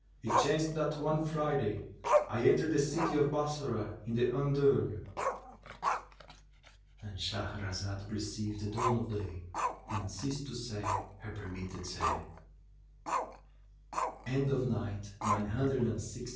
It chanced that one Friday I entered the city of Bassorah in the undurn."—And Shahrazad perceived the dawn of day and ceased to say her permitted say.